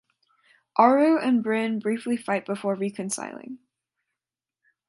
Aru and Brynne briefly fight before reconciling.